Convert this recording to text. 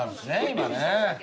今ね。